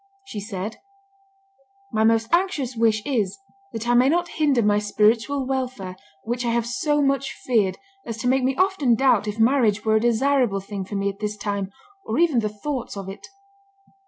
She said, "My most anxious wish is, that I may not hinder my spiritual welfare, which I have so much feared as to make me often doubt if marriage were a desirable thing for me at this time, or even the thoughts of it."